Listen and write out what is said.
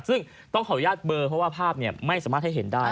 ซึ่งต้องขออนุญาตเบอร์เพราะว่าภาพไม่สามารถให้เห็นได้